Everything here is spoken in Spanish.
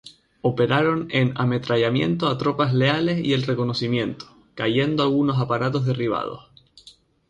Operaron en ametrallamiento a tropas leales y el reconocimiento, cayendo algunos aparatos derribados.